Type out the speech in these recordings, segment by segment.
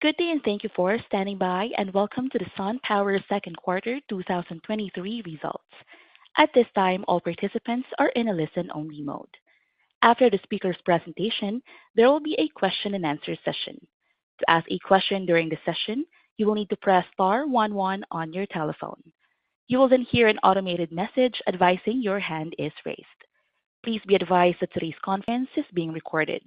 Good day, and thank you for standing by, and welcome to the SunPower Second Quarter 2023 Results. At this time, all participants are in a listen-only mode. After the speaker's presentation, there will be a question-and-answer session. To ask a question during the session, you will need to press star one one on your telephone. You will then hear an automated message advising your hand is raised. Please be advised that today's conference is being recorded.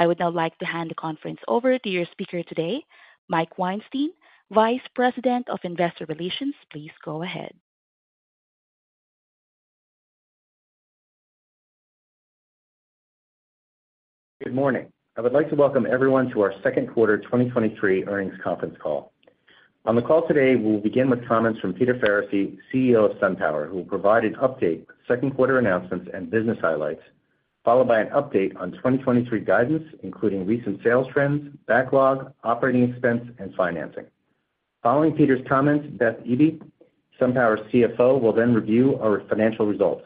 I would now like to hand the conference over to your speaker today, Mike Weinstein, Vice President of Investor Relations. Please go ahead. Good morning. I would like to welcome everyone to our Second Quarter 2023 Earnings Conference Call. On the call today, we will begin with comments from Peter Faricy, CEO of SunPower, who will provide an update, second quarter announcements, and business highlights, followed by an update on 2023 guidance, including recent sales trends, backlog, operating expense, and financing. Following Peter's comments, Beth Eby, SunPower's CFO, will then review our financial results.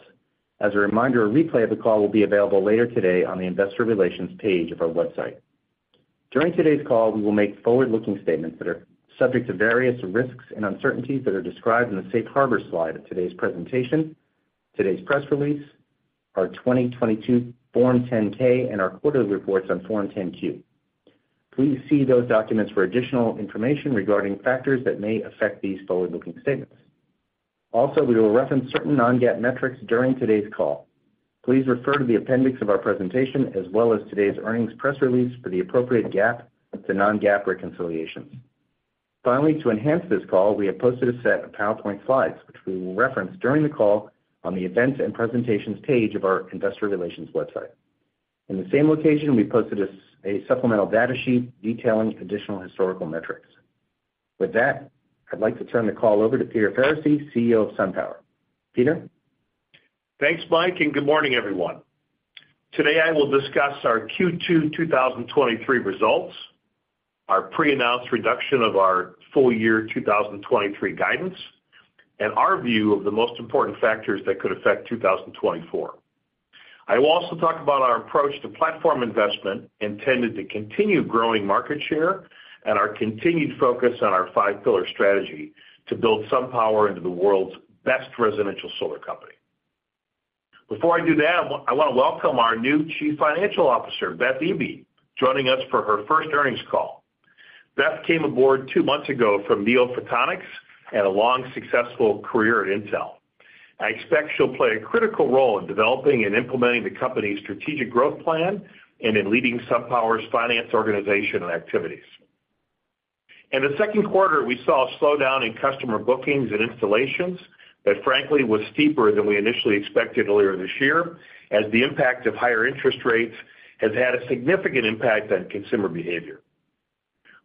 As a reminder, a replay of the call will be available later today on the Investor Relations page of our website. During today's call, we will make forward-looking statements that are subject to various risks and uncertainties that are described in the Safe Harbor slide of today's presentation, today's press release, our 2022 Form 10-K, and our quarterly reports on Form 10-Q. Please see those documents for additional information regarding factors that may affect these forward-looking statements. We will reference certain non-GAAP metrics during today's call. Please refer to the appendix of our presentation as well as today's earnings press release for the appropriate GAAP to non-GAAP reconciliations. To enhance this call, we have posted a set of PowerPoint slides, which we will reference during the call on the Events and Presentations page of our Investor Relations website. In the same location, we posted a supplemental data sheet detailing additional historical metrics. I'd like to turn the call over to Peter Faricy, CEO of SunPower. Peter? Thanks, Mike. Good morning, everyone. Today, I will discuss our Q2 2023 results, our pre-announced reduction of our full year 2023 guidance, and our view of the most important factors that could affect 2024. I will also talk about our approach to platform investment intended to continue growing market share and our continued focus on our five pillar strategy to build SunPower into the world's best residential solar company. Before I do that, I want to welcome our new Chief Financial Officer, Beth Eby, joining us for her first earnings call. Beth came aboard two months ago from NeoPhotonics and a long, successful career at Intel. I expect she'll play a critical role in developing and implementing the company's strategic growth plan and in leading SunPower's finance, organization, and activities. In the second quarter, we saw a slowdown in customer bookings and installations that, frankly, was steeper than we initially expected earlier this year, as the impact of higher interest rates has had a significant impact on consumer behavior.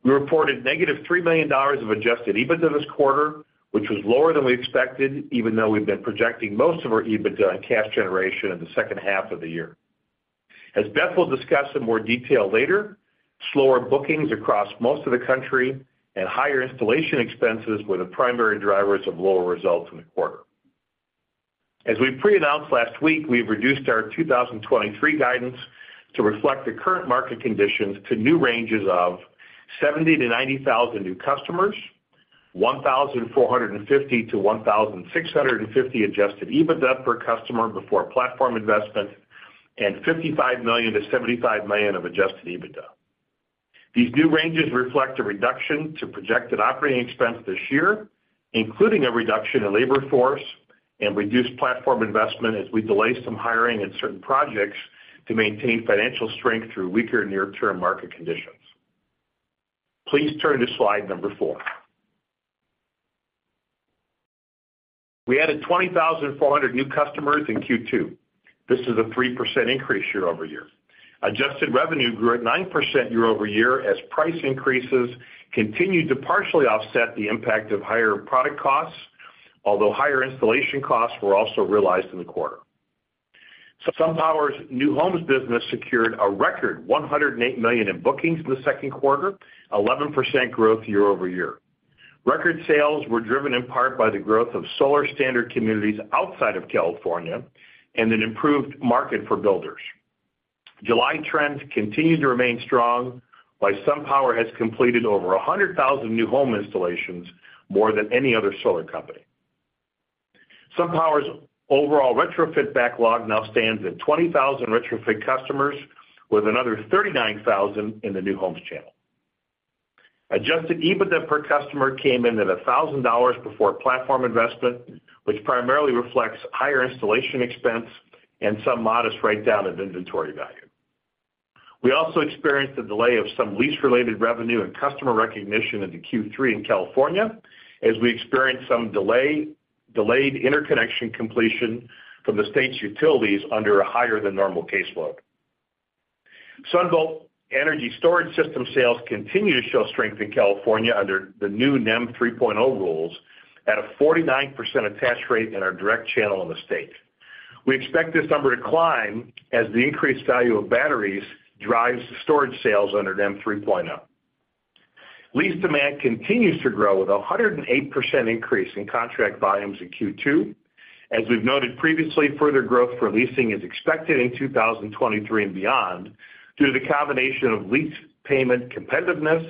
We reported -$3 million of adjusted EBITDA this quarter, which was lower than we expected, even though we've been projecting most of our EBITDA and cash generation in the second half of the year. As Beth will discuss in more detail later, slower bookings across most of the country and higher installation expenses were the primary drivers of lower results in the quarter. As we pre-announced last week, we've reduced our 2023 guidance to reflect the current market conditions to new ranges of 70,000-90,000 new customers, 1,450-1,650 adjusted EBITDA per customer before platform investment, and $55 million-$75 million of adjusted EBITDA. These new ranges reflect a reduction to projected operating expense this year, including a reduction in labor force and reduced platform investment as we delay some hiring and certain projects to maintain financial strength through weaker near-term market conditions. Please turn to slide number four. We added 20,400 new customers in Q2. This is a 3% increase year-over-year. Adjusted revenue grew at 9% year-over-year as price increases continued to partially offset the impact of higher product costs, although higher installation costs were also realized in the quarter. SunPower's New Homes business secured a record $108 million in bookings in the second quarter, 11% growth year-over-year. Record sales were driven in part by the growth of solar standard communities outside of California and an improved market for builders. July trends continued to remain strong, while SunPower has completed over 100,000 new home installations, more than any other solar company. SunPower's overall retrofit backlog now stands at 20,000 retrofit customers, with another 39,000 in the New Homes channel. Adjusted EBITDA per customer came in at $1,000 before platform investment, which primarily reflects higher installation expense and some modest write-down of inventory value. We also experienced a delay of some lease-related revenue and customer recognition into Q3 in California, as we experienced some delayed interconnection completion from the state's utilities under a higher than normal caseload. SunVault energy storage system sales continue to show strength in California under the new NEM 3.0 rules, at a 49% attach rate in our direct channel in the state. We expect this number to climb as the increased value of batteries drives storage sales under NEM 3.0. Lease demand continues to grow, with a 108% increase in contract volumes in Q2. We've noted previously, further growth for leasing is expected in 2023 and beyond, due to the combination of lease payment competitiveness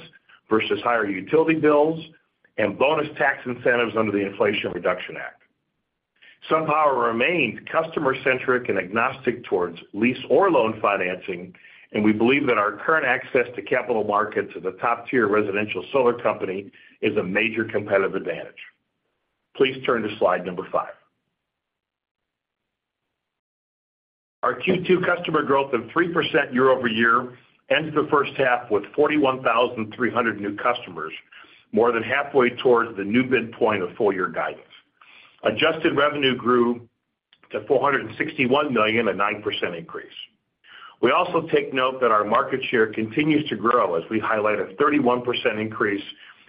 versus higher utility bills and bonus tax incentives under the Inflation Reduction Act. SunPower remains customer-centric and agnostic towards lease or loan financing. We believe that our current access to capital markets as a top-tier residential solar company is a major competitive advantage. Please turn to slide number five. Our Q2 customer growth of 3% year-over-year ends the first half with 41,300 new customers, more than halfway towards the new midpoint of full-year guidance. Adjusted revenue grew to $461 million, a 9% increase. We also take note that our market share continues to grow, as we highlight a 31% increase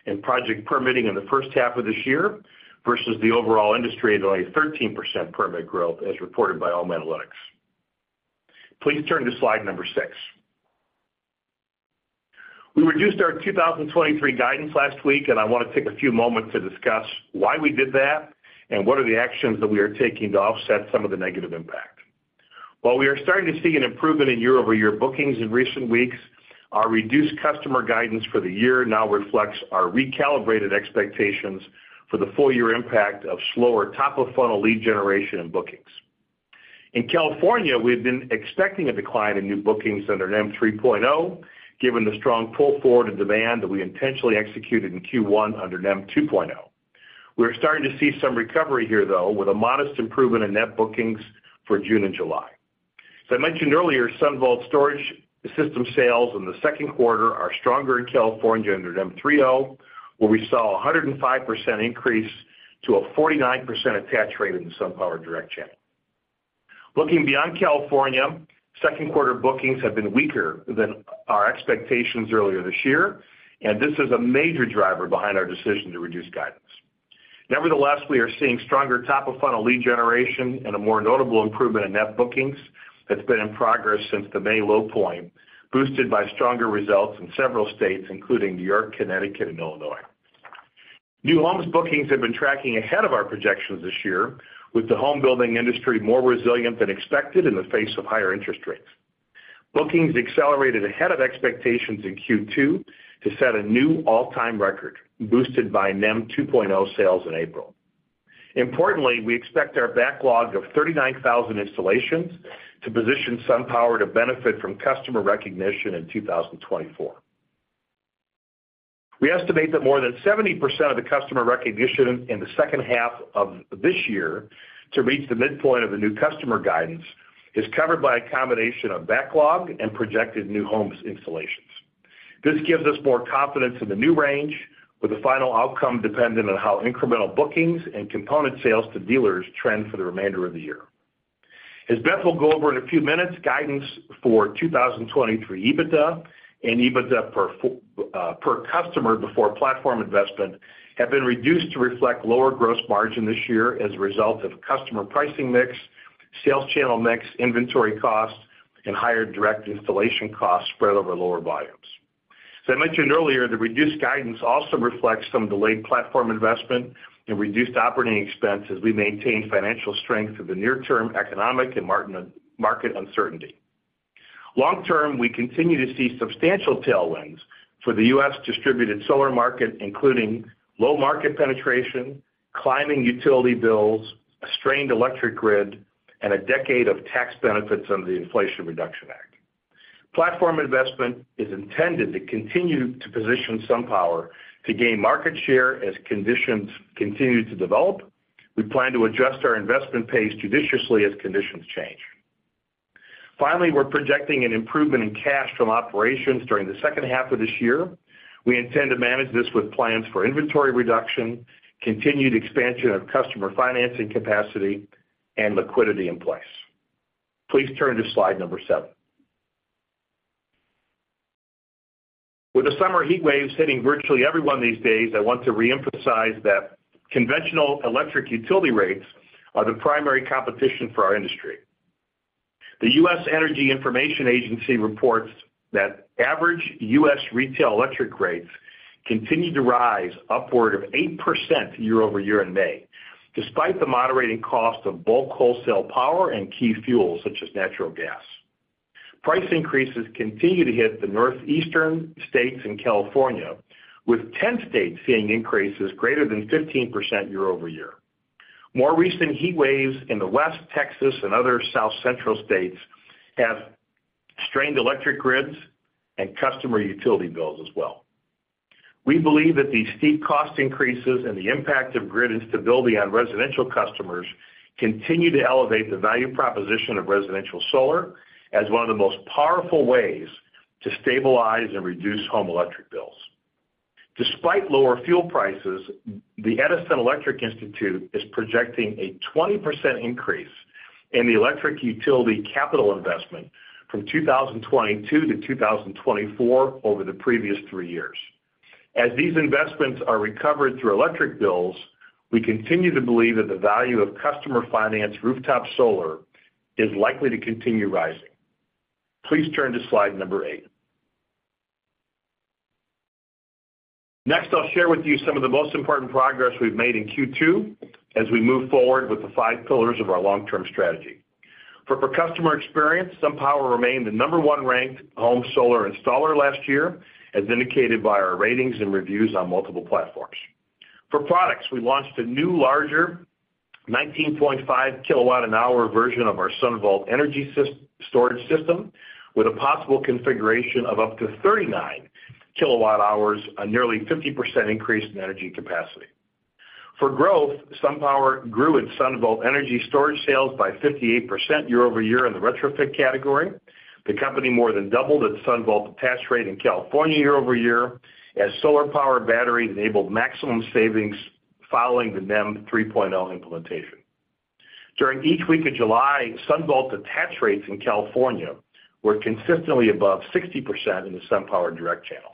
in project permitting in the first half of this year versus the overall industry, only 13% permit growth, as reported by Ohm Analytics. Please turn to slide number six. We reduced our 2023 guidance last week, and I want to take a few moments to discuss why we did that and what are the actions that we are taking to offset some of the negative impact. While we are starting to see an improvement in year-over-year bookings in recent weeks, our reduced customer guidance for the year now reflects our recalibrated expectations for the full year impact of slower top-of-funnel lead generation and bookings. In California, we've been expecting a decline in new bookings under NEM 3.0, given the strong pull forward in demand that we intentionally executed in Q1 under NEM 2.0. We're starting to see some recovery here, though, with a modest improvement in net bookings for June and July. As I mentioned earlier, SunVault storage system sales in the second quarter are stronger in California under NEM 3.0, where we saw a 105% increase to a 49% attach rate in the SunPower direct channel. Looking beyond California, second quarter bookings have been weaker than our expectations earlier this year, and this is a major driver behind our decision to reduce guidance. Nevertheless, we are seeing stronger top-of-funnel lead generation and a more notable improvement in net bookings that's been in progress since the May low point, boosted by stronger results in several states, including New York, Connecticut, and Illinois. New Homes bookings have been tracking ahead of our projections this year, with the home building industry more resilient than expected in the face of higher interest rates. Bookings accelerated ahead of expectations in Q2 to set a new all-time record, boosted by NEM 2.0 sales in April. Importantly, we expect our backlog of 39,000 installations to position SunPower to benefit from customer recognition in 2024. We estimate that more than 70% of the customer recognition in the second half of this year to reach the midpoint of the new customer guidance is covered by a combination of backlog and projected New Homes installations. This gives us more confidence in the new range, with the final outcome dependent on how incremental bookings and component sales to dealers trend for the remainder of the year. As Beth will go over in a few minutes, guidance for 2023 EBITDA and EBITDA per customer before platform investment have been reduced to reflect lower gross margin this year as a result of customer pricing mix, sales channel mix, inventory costs, and higher direct installation costs spread over lower volumes. As I mentioned earlier, the reduced guidance also reflects some delayed platform investment and reduced operating expenses. We maintain financial strength for the near-term economic and market uncertainty. Long term, we continue to see substantial tailwinds for the U.S. distributed solar market, including low market penetration, climbing utility bills, a strained electric grid, and a decade of tax benefits under the Inflation Reduction Act. Platform investment is intended to continue to position SunPower to gain market share as conditions continue to develop. We plan to adjust our investment pace judiciously as conditions change. Finally, we're projecting an improvement in cash from operations during the second half of this year. We intend to manage this with plans for inventory reduction, continued expansion of customer financing capacity, and liquidity in place. Please turn to slide number seven. With the summer heat waves hitting virtually everyone these days, I want to reemphasize that conventional electric utility rates are the primary competition for our industry. The U.S. Energy Information Administration reports that average U.S. retail electric rates continued to rise upward of 8% year-over-year in May, despite the moderating cost of bulk wholesale power and key fuels such as natural gas. Price increases continue to hit the Northeastern states and California, with 10 states seeing increases greater than 15% year-over-year. More recent heat waves in the West, Texas, and other South Central states have strained electric grids and customer utility bills as well. We believe that these steep cost increases and the impact of grid instability on residential customers continue to elevate the value proposition of residential solar as one of the most powerful ways to stabilize and reduce home electric bills. Despite lower fuel prices, the Edison Electric Institute is projecting a 20% increase in the electric utility capital investment from 2022-2024 over the previous three years. As these investments are recovered through electric bills, we continue to believe that the value of customer finance rooftop solar is likely to continue rising. Please turn to slide number eight. Next, I'll share with you some of the most important progress we've made in Q2 as we move forward with the five pillars of our long-term strategy. For customer experience, SunPower remained the number one ranked home solar installer last year, as indicated by our ratings and reviews on multiple platforms. For products, we launched a new, larger 19.5 kWh version of our SunVault energy storage system, with a possible configuration of up to 39 kWh, a nearly 50% increase in energy capacity. For growth, SunPower grew its SunVault energy storage sales by 58% year-over-year in the retrofit category. The company more than doubled its SunVault attach rate in California year-over-year, as solar power battery enabled maximum savings following the NEM 3.0 implementation. During each week of July, SunVault attach rates in California were consistently above 60% in the SunPower direct channel.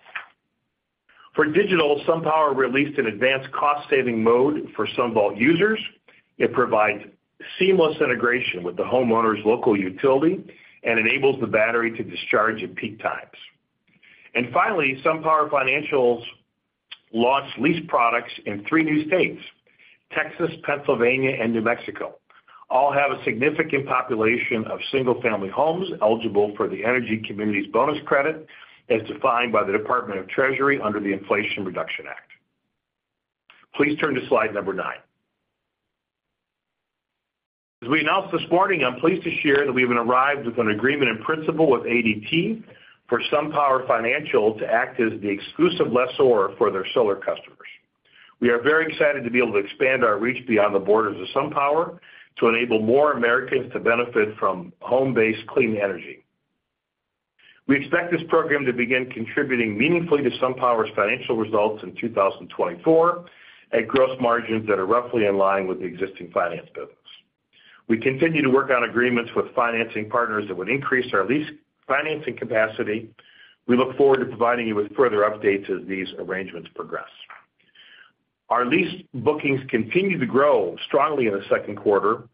For digital, SunPower released an advanced cost-saving mode for SunVault users. It provides seamless integration with the homeowner's local utility and enables the battery to discharge at peak times. Finally, SunPower Financial launched lease products in three new states, Texas, Pennsylvania, and New Mexico. All have a significant population of single-family homes eligible for the Energy Community Bonus Credit, as defined by the Department of the Treasury under the Inflation Reduction Act. Please turn to slide number nine. As we announced this morning, I'm pleased to share that we have arrived at an agreement in principle with ADT for SunPower Financial to act as the exclusive lessor for their solar customers. We are very excited to be able to expand our reach beyond the borders of SunPower to enable more Americans to benefit from home-based clean energy. We expect this program to begin contributing meaningfully to SunPower's financial results in 2024, at gross margins that are roughly in line with the existing finance business. We continue to work on agreements with financing partners that would increase our lease financing capacity. We look forward to providing you with further updates as these arrangements progress. Our lease bookings continued to grow strongly in the second quarter.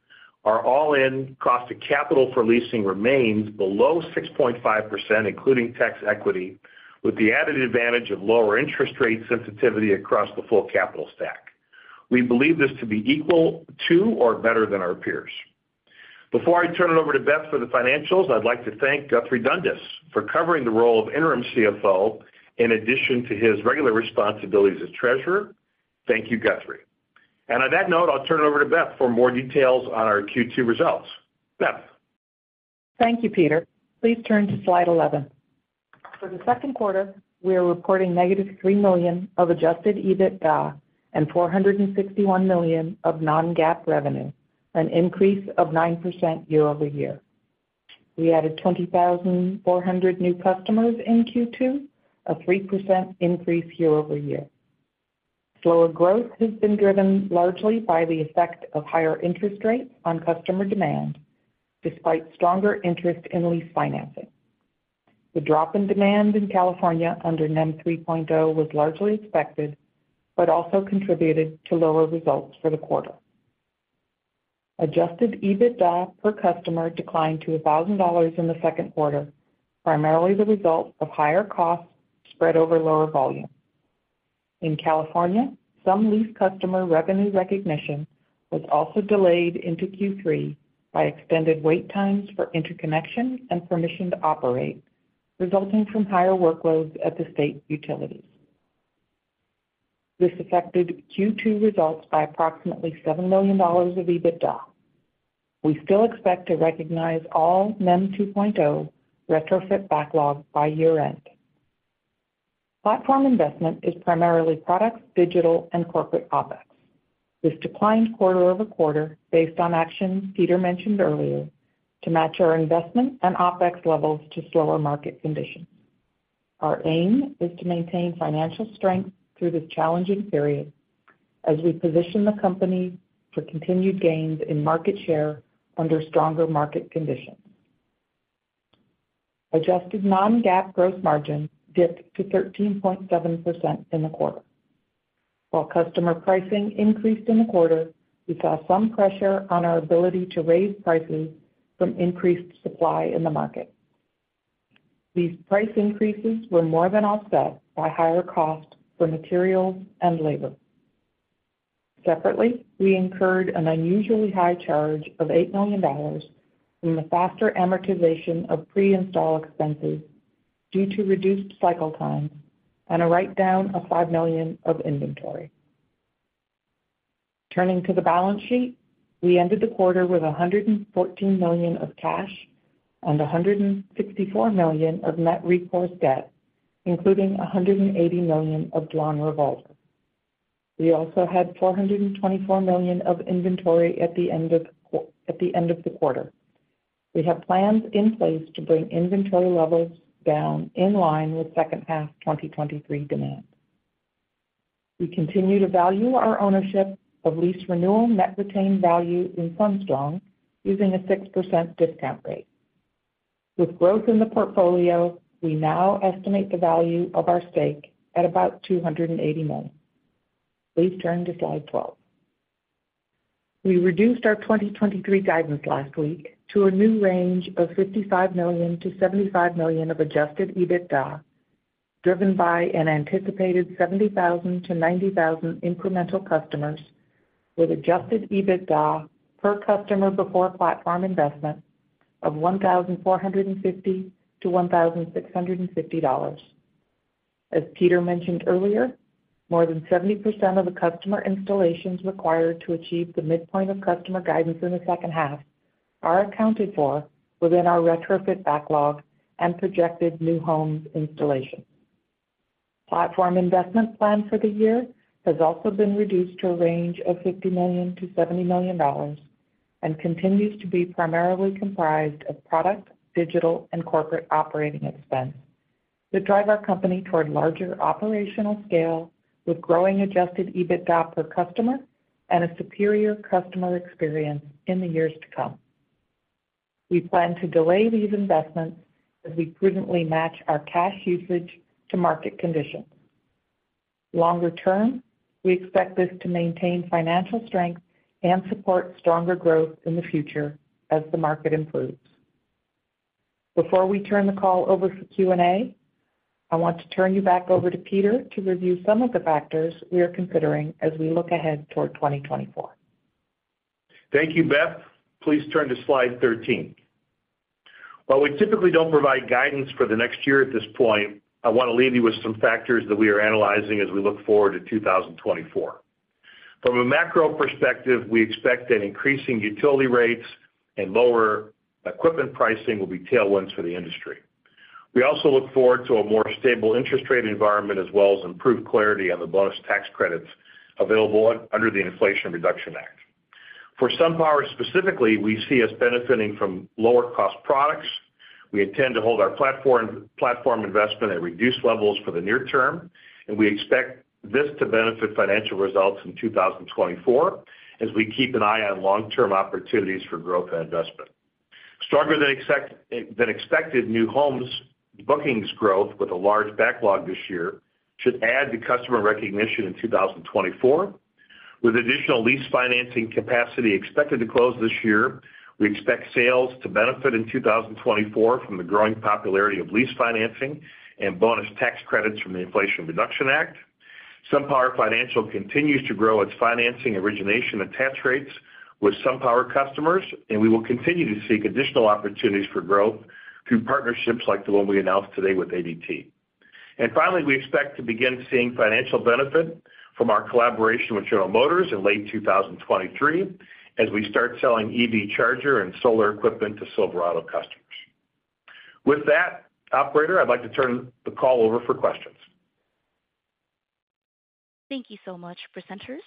Our all-in cost of capital for leasing remains below 6.5%, including tax equity, with the added advantage of lower interest rate sensitivity across the full capital stack. We believe this to be equal to or better than our peers. Before I turn it over to Beth for the financials, I'd like to thank Guthrie Dundas for covering the role of interim CFO in addition to his regular responsibilities as Treasurer. Thank you, Guthrie. On that note, I'll turn it over to Beth for more details on our Q2 results. Beth? Thank you, Peter. Please turn to slide 11. For the second quarter, we are reporting negative $3 million of adjusted EBITDA and $461 million of non-GAAP revenue, an increase of 9% year-over-year. We added 20,400 new customers in Q2, a 3% increase year-over-year. Slower growth has been driven largely by the effect of higher interest rates on customer demand, despite stronger interest in lease financing. The drop in demand in California under NEM 3.0 was largely expected, but also contributed to lower results for the quarter. Adjusted EBITDA per customer declined to $1,000 in the second quarter, primarily the result of higher costs spread over lower volume. In California, some lease customer revenue recognition was also delayed into Q3 by extended wait times for interconnection and permission to operate, resulting from higher workloads at the state utilities. This affected Q2 results by approximately $7 million of EBITDA. We still expect to recognize all NEM 2.0 retrofit backlog by year-end. Platform investment is primarily products, digital, and corporate OpEx. This declined quarter-over-quarter based on actions Peter mentioned earlier to match our investment and OpEx levels to slower market conditions. Our aim is to maintain financial strength through this challenging period as we position the company for continued gains in market share under stronger market conditions. Adjusted non-GAAP gross margin dipped to 13.7% in the quarter. While customer pricing increased in the quarter, we saw some pressure on our ability to raise prices from increased supply in the market. These price increases were more than offset by higher costs for materials and labor. Separately, we incurred an unusually high charge of $8 million from the faster amortization of pre-install expenses due to reduced cycle times and a write-down of $5 million of inventory. Turning to the balance sheet, we ended the quarter with $114 million of cash and $164 million of net recourse debt, including $180 million of drawn revolver. We also had $424 million of inventory at the end of at the end of the quarter. We have plans in place to bring inventory levels down in line with second half 2023 demand. We continue to value our ownership of lease renewal net retained value in SunStrong, using a 6% discount rate. With growth in the portfolio, we now estimate the value of our stake at about $280 million. Please turn to slide 12. We reduced our 2023 guidance last week to a new range of $55 million-$75 million of adjusted EBITDA, driven by an anticipated 70,000-90,000 incremental customers, with adjusted EBITDA per customer before platform investment of $1,450-$1,650. As Peter mentioned earlier, more than 70% of the customer installations required to achieve the midpoint of customer guidance in the second half are accounted for within our retrofit backlog and projected New Homes installations. Platform investment plan for the year has also been reduced to a range of $50 million-$70 million and continues to be primarily comprised of product, digital, and corporate operating expense that drive our company toward larger operational scale, with growing adjusted EBITDA per customer and a superior customer experience in the years to come. We plan to delay these investments as we prudently match our cash usage to market conditions. Longer term, we expect this to maintain financial strength and support stronger growth in the future as the market improves. Before we turn the call over for Q&A, I want to turn you back over to Peter to review some of the factors we are considering as we look ahead toward 2024. Thank you, Beth. Please turn to slide 13. While we typically don't provide guidance for the next year at this point, I want to leave you with some factors that we are analyzing as we look forward to 2024. From a macro perspective, we expect that increasing utility rates and lower equipment pricing will be tailwinds for the industry. We also look forward to a more stable interest rate environment, as well as improved clarity on the bonus tax credits available under the Inflation Reduction Act. For SunPower specifically, we see us benefiting from lower-cost products. We intend to hold our platform, platform investment at reduced levels for the near term, and we expect this to benefit financial results in 2024, as we keep an eye on long-term opportunities for growth and investment. Stronger than expected New Homes bookings growth with a large backlog this year should add to customer recognition in 2024. With additional lease financing capacity expected to close this year, we expect sales to benefit in 2024 from the growing popularity of lease financing and bonus tax credits from the Inflation Reduction Act. SunPower Financial continues to grow its financing origination attach rates with SunPower customers, we will continue to seek additional opportunities for growth through partnerships like the one we announced today with ADT. Finally, we expect to begin seeing financial benefit from our collaboration with General Motors in late 2023, as we start selling EV charger and solar equipment to Silverado customers. With that, operator, I'd like to turn the call over for questions. Thank you so much, presenters.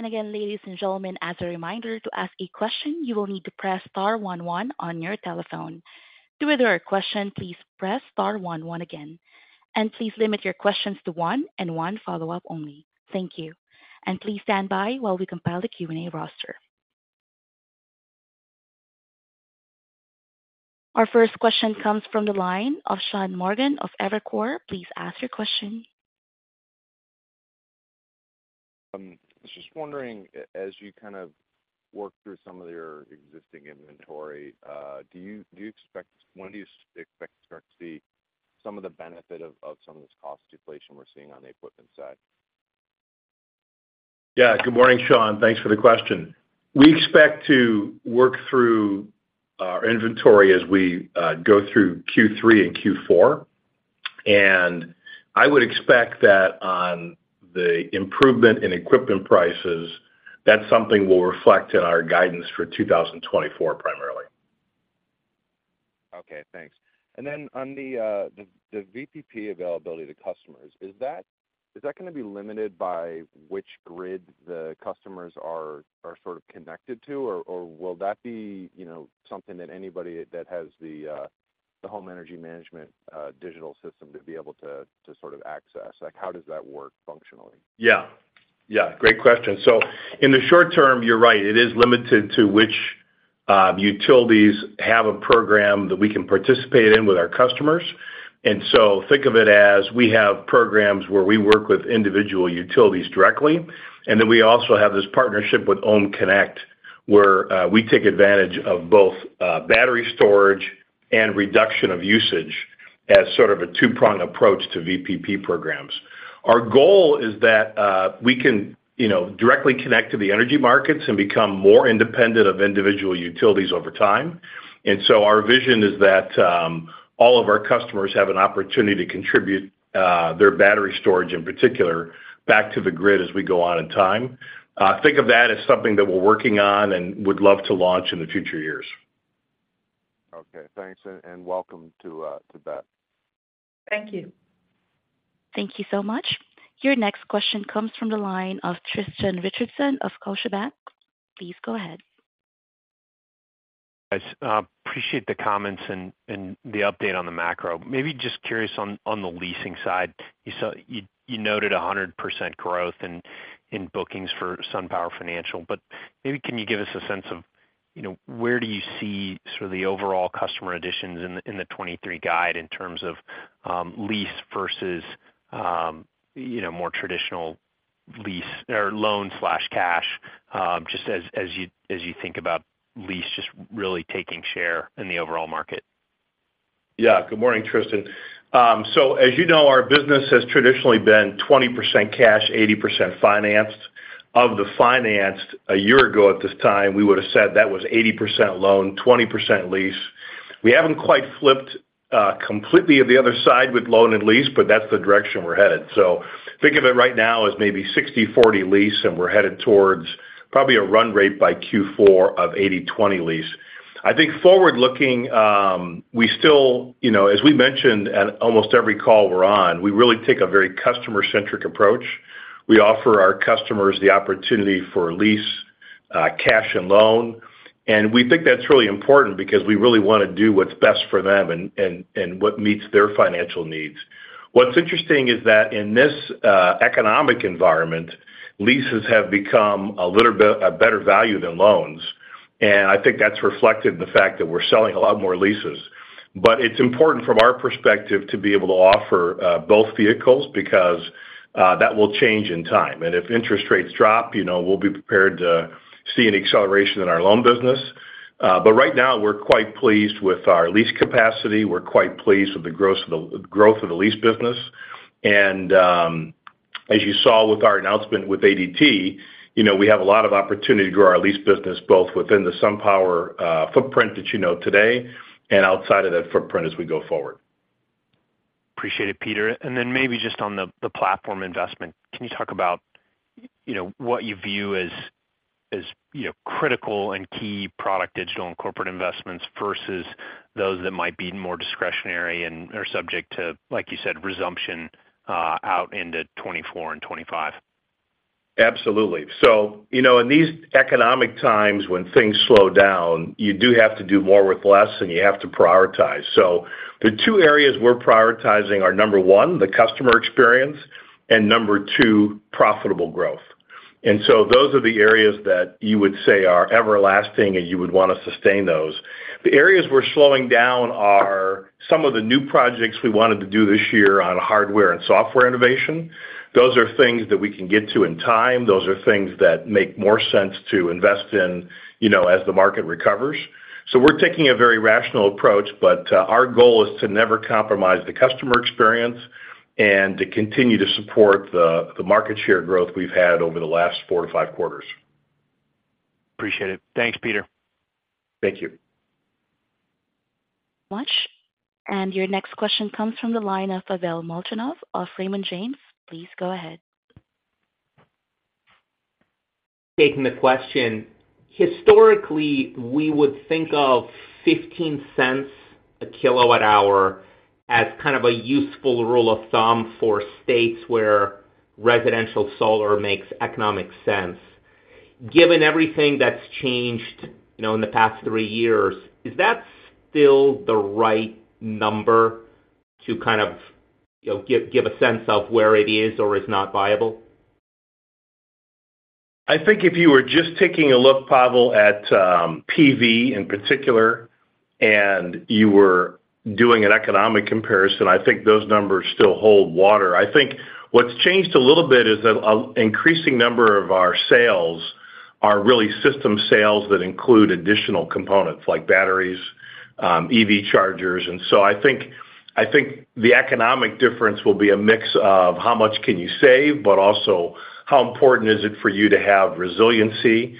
Again, ladies and gentlemen, as a reminder, to ask a question, you will need to press star one one on your telephone. To withdraw your question, please press star one one again. Please limit your questions to one and one follow-up only. Thank you, and please stand by while we compile the Q&A roster. Our first question comes from the line of Sean Morgan of Evercore. Please ask your question. I was just wondering, as you kind of work through some of your existing inventory, when do you expect to start to see some of the benefit of, of some of this cost deflation we're seeing on the equipment side? Yeah. Good morning, Sean. Thanks for the question. We expect to work through our inventory as we go through Q3 and Q4. I would expect that on the improvement in equipment prices, that's something we'll reflect in our guidance for 2024, primarily. Okay, thanks. On the, the VPP availability to customers, is that, is that gonna be limited by which grid the customers are, are sort of connected to? Or, or will that be, you know, something that anybody that has the, the home energy management, digital system to be able to, to sort of access? Like, how does that work functionally? Yeah. Yeah, great question. In the short term, you're right, it is limited to which utilities have a program that we can participate in with our customers. Think of it as we have programs where we work with individual utilities directly, then we also have this partnership with OhmConnect, where we take advantage of both battery storage and reduction of usage as sort of a two-pronged approach to VPP programs. Our goal is that we can, you know, directly connect to the energy markets and become more independent of individual utilities over time. Our vision is that all of our customers have an opportunity to contribute their battery storage, in particular, back to the grid as we go on in time. Think of that as something that we're working on and would love to launch in the future years. Okay, thanks, and welcome to, to Beth. Thank you. Thank you so much. Your next question comes from the line of Tristan Richardson of Scotiabank. Please go ahead. Guys, appreciate the comments and the update on the macro. Maybe just curious on the leasing side. You saw, you noted 100% growth in bookings for SunPower Financial, but maybe can you give us a sense of, you know, where do you see sort of the overall customer additions in the, in the 2023 guide in terms of lease versus, you know, more traditional lease or loan/cash, just as you, as you think about lease, just really taking share in the overall market? Yeah. Good morning, Tristan. As you know, our business has traditionally been 20% cash, 80% financed. Of the financed, a year ago at this time, we would have said that was 80% loan, 20% lease. We haven't quite flipped completely at the other side with loan and lease, but that's the direction we're headed. Think of it right now as maybe 60/40 lease, and we're headed towards probably a run rate by Q4 of 80/20 lease. I think forward-looking, we still, you know, as we mentioned at almost every call we're on, we really take a very customer-centric approach. We offer our customers the opportunity for lease, cash, and loan. We think that's really important because we really want to do what's best for them and, and, and what meets their financial needs. What's interesting is that in this, economic environment, leases have become a little bit a better value than loans, and I think that's reflected in the fact that we're selling a lot more leases. It's important from our perspective, to be able to offer, both vehicles because, that will change in time. If interest rates drop, you know, we'll be prepared to see an acceleration in our loan business. Right now, we're quite pleased with our lease capacity. We're quite pleased with the growth of the lease business. As you saw with our announcement with ADT, you know, we have a lot of opportunity to grow our lease business, both within the SunPower, footprint that you know today and outside of that footprint as we go forward. Appreciate it, Peter. Then maybe just on the, the platform investment, can you talk about, you know, what you view as, as, you know, critical and key product, digital, and corporate investments versus those that might be more discretionary and are subject to, like you said, resumption out into 2024 and 2025? Absolutely. You know, in these economic times, when things slow down, you do have to do more with less, and you have to prioritize. The two areas we're prioritizing are, number one, the customer experience, and number two, profitable growth. Those are the areas that you would say are everlasting, and you would want to sustain those. The areas we're slowing down are some of the new projects we wanted to do this year on hardware and software innovation. Those are things that we can get to in time. Those are things that make more sense to invest in, you know, as the market recovers. We're taking a very rational approach, but our goal is to never compromise the customer experience and to continue to support the, the market share growth we've had over the last four to five quarters. Appreciate it. Thanks, Peter. Thank you. Thank you so much. Your next question comes from the line of Pavel Molchanov of Raymond James. Please go ahead. Taking the question. Historically, we would think of $0.15 a kilowatt hour as kind of a useful rule of thumb for states where residential solar makes economic sense. Given everything that's changed, you know, in the past three years, is that still the right number to kind of, you know, give, give a sense of where it is or is not viable? I think if you were just taking a look, Pavel, at, PV in particular, and you were doing an economic comparison, I think those numbers still hold water. I think what's changed a little bit is that a, increasing number of our sales are really system sales that include additional components, like batteries, EV chargers. I think, I think the economic difference will be a mix of how much can you save, but also how important is it for you to have resiliency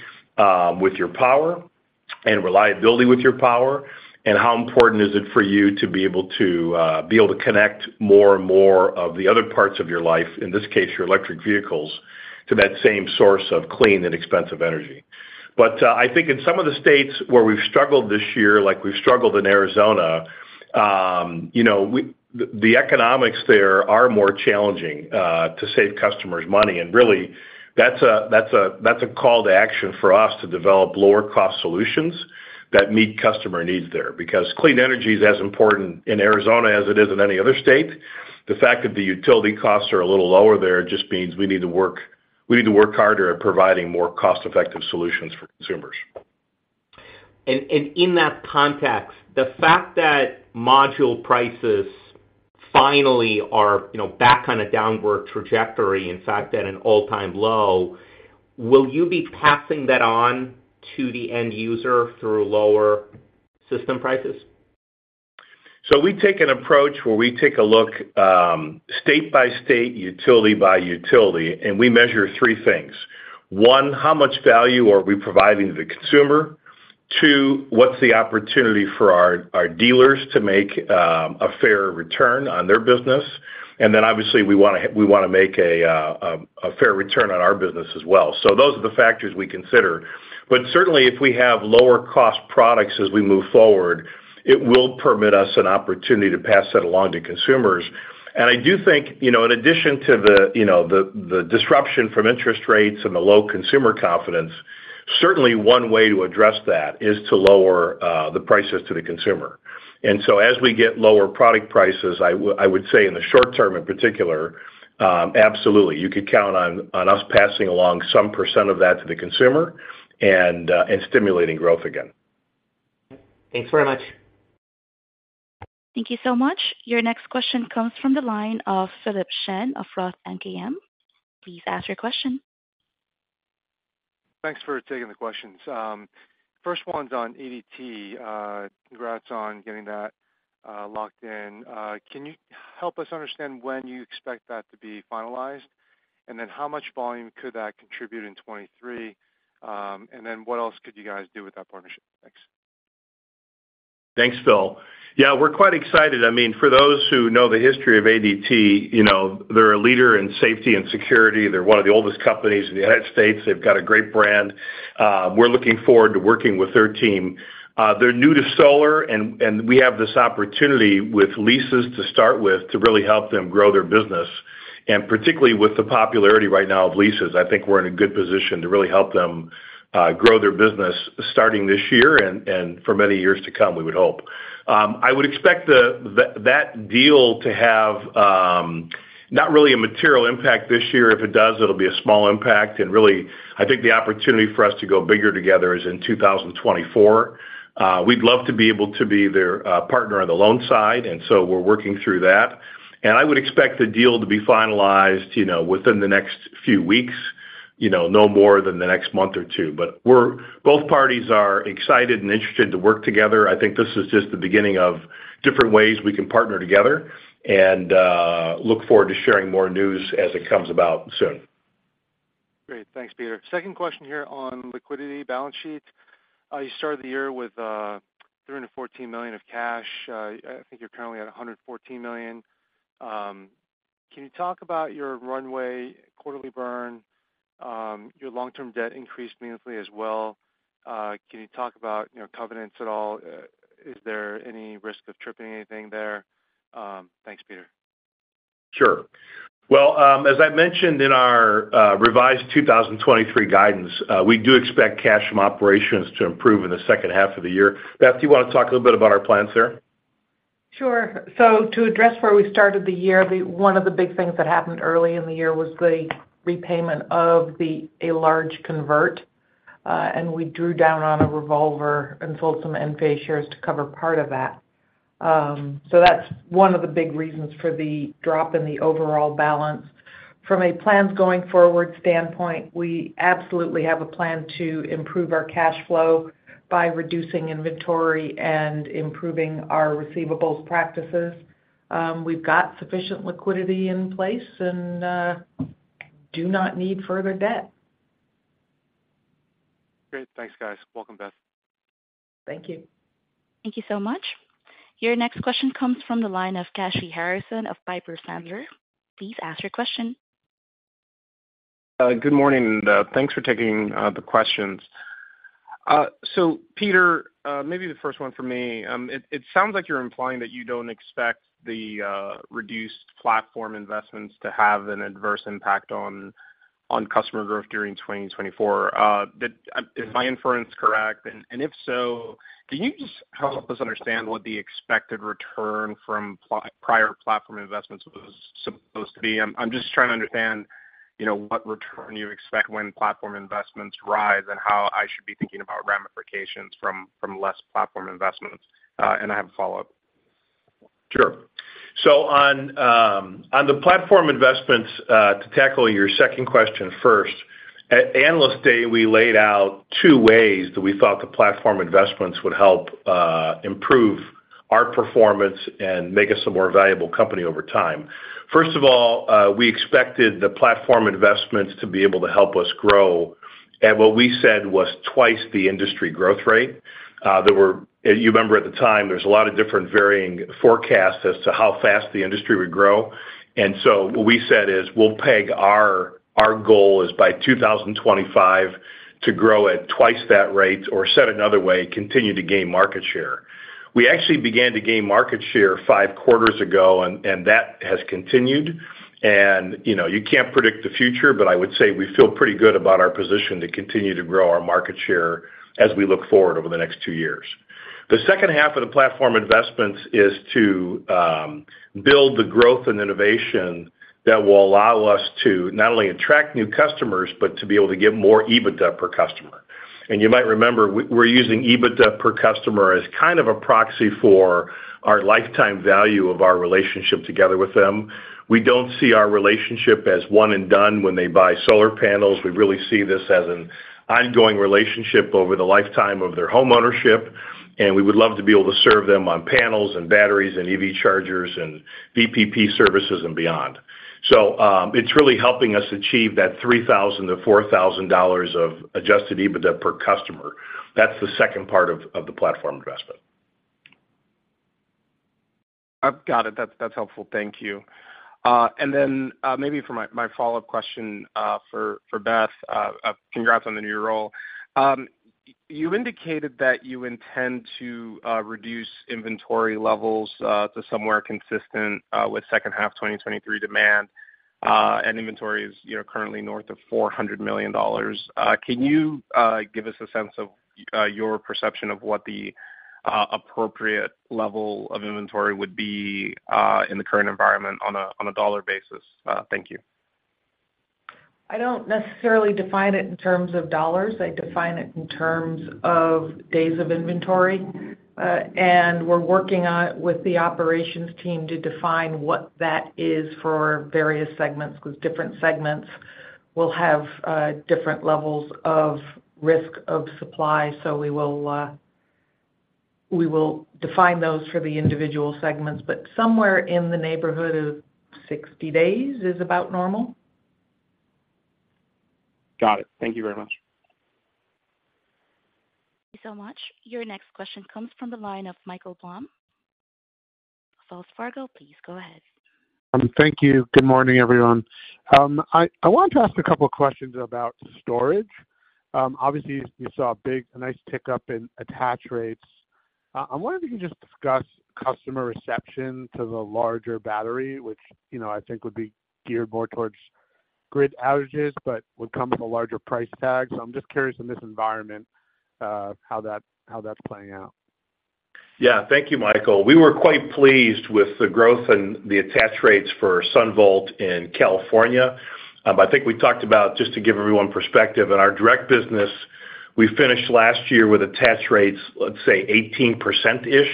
with your power and reliability with your power, and how important is it for you to be able to, be able to connect more and more of the other parts of your life, in this case, your electric vehicles, to that same source of clean and expensive energy. I think in some of the states where we've struggled this year, like we've struggled in Arizona, you know, the economics there are more challenging to save customers money. Really, that's a, that's a, that's a call to action for us to develop lower-cost solutions that meet customer needs there. Clean energy is as important in Arizona as it is in any other state. The fact that the utility costs are a little lower there just means we need to work, we need to work harder at providing more cost-effective solutions for consumers. In that context, the fact that module prices finally are, you know, back on a downward trajectory, in fact, at an all-time low, will you be passing that on to the end user through lower system prices? We take an approach where we take a look, state by state, utility by utility, and we measure three things. One, how much value are we providing to the consumer? Two, what's the opportunity for our, our dealers to make a fair return on their business? Then obviously, we wanna, we wanna make a fair return on our business as well. Those are the factors we consider. Certainly, if we have lower-cost products as we move forward, it will permit us an opportunity to pass that along to consumers. I do think, you know, in addition to the, you know, the, the disruption from interest rates and the low consumer confidence, certainly one way to address that is to lower the prices to the consumer. As we get lower product prices, I would say in the short term, in particular, absolutely, you could count on, on us passing along some percent of that to the consumer and stimulating growth again. Thanks very much. Thank you so much. Your next question comes from the line of Philip Shen of Roth MKM. Please ask your question. Thanks for taking the questions. First one's on ADT. Congrats on getting that, locked in. Can you help us understand when you expect that to be finalized? How much volume could that contribute in 2023? What else could you guys do with that partnership? Thanks. Thanks, Phil. Yeah, we're quite excited. I mean, for those who know the history of ADT, you know, they're a leader in safety and security. They're one of the oldest companies in the United States. They've got a great brand. We're looking forward to working with their team. They're new to solar, and we have this opportunity with leases to start with to really help them grow their business. Particularly with the popularity right now of leases, I think we're in a good position to really help them grow their business starting this year and for many years to come, we would hope. I would expect that deal to have not really a material impact this year. If it does, it'll be a small impact, and really, I think the opportunity for us to go bigger together is in 2024. We'd love to be able to be their partner on the loan side, and so we're working through that. I would expect the deal to be finalized, you know, within the next few weeks, you know, no more than the next month or two. We're both parties are excited and interested to work together. I think this is just the beginning of different ways we can partner together, and look forward to sharing more news as it comes about soon. Great. Thanks, Peter. Second question here on liquidity balance sheet. You started the year with $314 million of cash. I think you're currently at $114 million. Can you talk about your runway quarterly burn? Your long-term debt increased meaningfully as well. Can you talk about, you know, covenants at all? Is there any risk of tripping anything there? Thanks, Peter. Sure. Well, as I mentioned in our revised 2023 guidance, we do expect cash from operations to improve in the second half of the year. Beth, do you want to talk a little bit about our plans there? Sure. To address where we started the year, one of the big things that happened early in the year was the repayment of a large convert, and we drew down on a revolver and sold some Enphase shares to cover part of that. That's one of the big reasons for the drop in the overall balance. From a plans going forward standpoint, we absolutely have a plan to improve our cash flow by reducing inventory and improving our receivables practices. We've got sufficient liquidity in place and do not need further debt. Great. Thanks, guys. Welcome, Beth. Thank you. Thank you so much. Your next question comes from the line of Kashy Harrison of Piper Sandler. Please ask your question. Good morning, thanks for taking the questions. Peter, maybe the first one for me. It sounds like you're implying that you don't expect the reduced platform investments to have an adverse impact on customer growth during 2024. Is my inference correct? If so, can you just help us understand what the expected return from prior platform investments was supposed to be? I'm just trying to understand, you know, what return you expect when platform investments rise and how I should be thinking about ramifications from less platform investments. I have a follow-up. Sure. On the platform investments, to tackle your second question first, at Analyst Day, we laid out two ways that we thought the platform investments would help improve our performance and make us a more valuable company over time. First of all, we expected the platform investments to be able to help us grow at what we said was twice the industry growth rate. There were you remember at the time, there was a lot of different varying forecasts as to how fast the industry would grow. What we said is, we'll peg our, our goal is by 2025, to grow at twice that rate, or said another way, continue to gain market share. We actually began to gain market share five quarters ago, and that has continued. You know, you can't predict the future, but I would say we feel pretty good about our position to continue to grow our market share as we look forward over the next two years. The second half of the platform investments is to build the growth and innovation that will allow us to not only attract new customers, but to be able to get more EBITDA per customer. You might remember, we're using EBITDA per customer as kind of a proxy for our lifetime value of our relationship together with them. We don't see our relationship as one and done when they buy solar panels. We really see this as an ongoing relationship over the lifetime of their homeownership, and we would love to be able to serve them on panels and batteries and EV chargers and VPP services and beyond. It's really helping us achieve that $3,000-$4,000 of adjusted EBITDA per customer. That's the second part of the platform investment. I've got it. That's, that's helpful. Thank you. Then, maybe for my, my follow-up question, for, for Beth, congrats on the new role. You indicated that you intend to reduce inventory levels, to somewhere consistent, with second half 2023 demand. Inventory is, you know, currently north of $400 million. Can you give us a sense of your perception of what the appropriate level of inventory would be, in the current environment on a, on a dollar basis? Thank you. I don't necessarily define it in terms of dollars. I define it in terms of days of inventory. We're working on it with the operations team to define what that is for various segments, because different segments will have different levels of risk of supply. We will define those for the individual segments, but somewhere in the neighborhood of 60 days is about normal. Got it. Thank you very much. Thank you so much. Your next question comes from the line of Michael Blum, Wells Fargo. Please go ahead. Thank you. Good morning, everyone. I wanted to ask a couple of questions about storage. Obviously, you saw a nice tick-up in attach rates. I wonder if you can just discuss customer reception to the larger battery, which, you know, I think would be geared more towards grid outages, but would come with a larger price tag. I'm just curious in this environment, how that, how that's playing out. Yeah. Thank you, Michael. We were quite pleased with the growth and the attach rates for SunVault in California. I think we talked about, just to give everyone perspective, in our direct business, we finished last year with attach rates, let's say, 18%-ish,